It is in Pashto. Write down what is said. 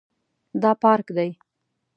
دا پارک دی